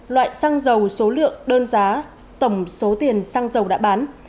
loại sang dầu số lượng đơn giá tổng số tiền sang dầu đã bán